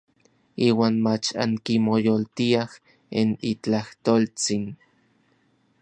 Iuan mach ankimoyolotiaj n itlajtoltsin.